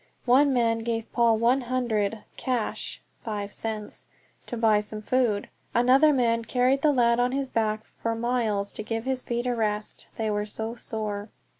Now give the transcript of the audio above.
One man gave Paul one hundred cash (five cents) to buy some food; another man carried the lad on his back for miles to give his feet a rest, they were so sore.